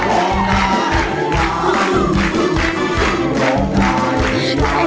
โอเค